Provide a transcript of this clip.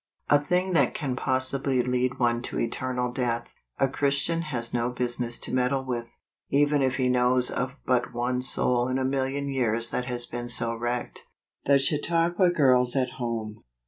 A thing that can possibly lead one to eternal death, a Christian has no business to meddle with, even if he knows of but one soul in a million years that has been so wrecked. The Chautauqua Girls at Home.